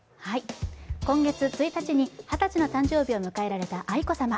今月１日に二十歳の誕生日を迎えられた愛子さま。